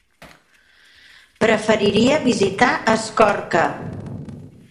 Preferiria visitar Escorca.